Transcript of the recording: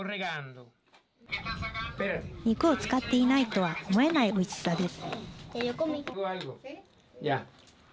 肉を使っていないとは思えないおいしさです。